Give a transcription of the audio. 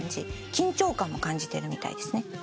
緊張感も感じてるみたいですね。